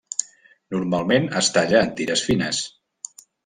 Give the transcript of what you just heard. Normalment es talla en tires fines.